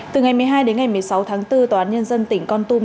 từ ngày một mươi hai đến ngày một mươi sáu tháng bốn tòa án nhân dân tỉnh con tum